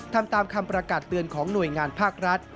ทำตามคำประกาศเตือนของหน่วยงานภาครัฐ